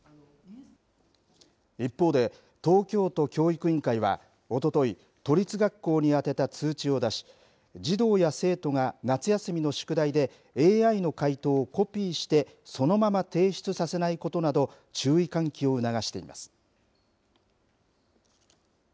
一方で東京都教育委員会はおととい都立学校に宛てた通知を出し児童や生徒が夏休みの宿題でＡＩの回答をコピーしてそのまま提出させないことなど注意喚起を促しています。